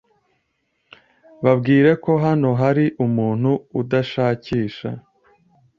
Babwire ko hano hari umuntu ubashakisha.